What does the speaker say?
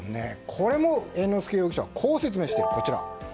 これも猿之助容疑者はこう説明しています。